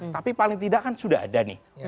tapi paling tidak kan sudah ada nih